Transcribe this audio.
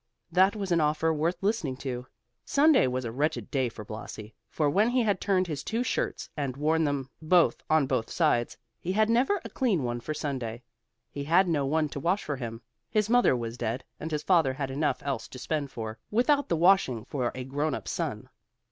That was an offer worth listening to. Sunday was a wretched day for Blasi, for when he had turned his two shirts and worn them both on both sides, he had never a clean one for Sunday. He had no one to wash for him. His mother was dead, and his father had enough else to spend for, without the washing for a grown up son.